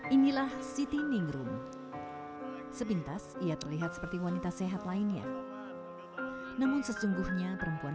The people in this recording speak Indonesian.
inilah siti ningrum sepintas ia terlihat seperti wanita sehat lainnya namun sesungguhnya perempuan